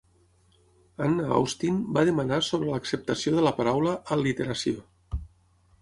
Anna Austen va demanar sobre l'acceptació de la paraula "al·literació".